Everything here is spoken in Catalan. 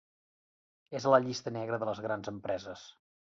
És a la llista negra de les grans empreses.